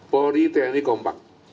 polri tni kompak